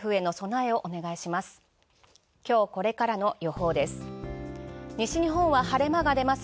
今日これからの予報です。